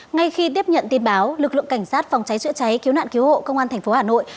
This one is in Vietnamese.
ngay khi tiếp nhận tin báo lực lượng cảnh sát phòng cháy chữa cháy cứu nạn cứu hộ công an thành phố hà nội